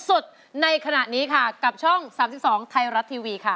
ในขณะนี้ค่ะกับช่อง๓๒ไทยรัฐทีวีค่ะ